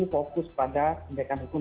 fokus pada pengembalian hukum